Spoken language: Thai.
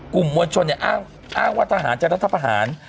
กลุ่มมวลชนเนี่ยอ้างว่าทหารจะรัฐประหาร